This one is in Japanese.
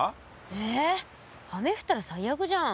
え雨降ったら最悪じゃん。